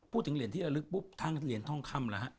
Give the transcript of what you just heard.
เหรียญที่ระลึกปุ๊บทั้งเหรียญทองคำแล้วฮะ